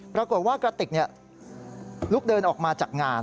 ปรากฏว่ากระติกลุกเดินออกมาจากงาน